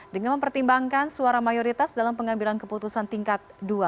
dengan mempertimbangkan suara mayoritas dalam pengambilan keputusan tingkat dua